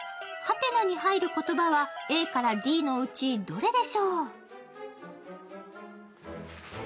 「？」に入る言葉はＡからＤのうちどれでしょう。